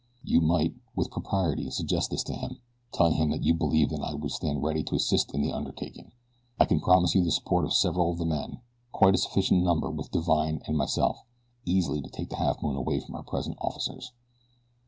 "You might, with propriety suggest this to him, telling him that you believe that I would stand ready to assist in the undertaking. I can promise you the support of several of the men quite a sufficient number with Divine and myself, easily to take the Halfmoon away from her present officers."